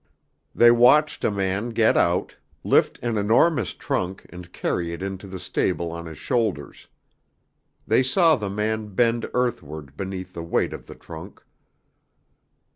They watched a man get out, lift an enormous trunk and carry it into the stable on his shoulders. They saw the man bend earthward beneath the weight of the trunk.